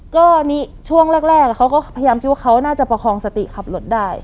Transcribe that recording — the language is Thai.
ก็นี่ช่วงแรกเขาก็พยายามคิดว่าเขาน่าจะประคองสติขับรถได้